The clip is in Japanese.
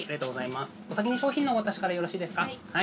お先に商品のお渡しからよろしいですか。